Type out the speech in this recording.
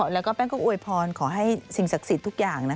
แล้วก็แป้งก็อวยพรขอให้สิ่งศักดิ์สิทธิ์ทุกอย่าง